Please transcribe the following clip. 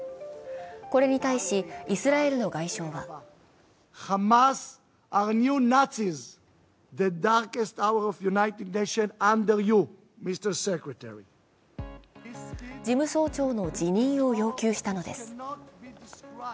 これに対し、イスラエルの外相は事務総長の辞任を要求したのです。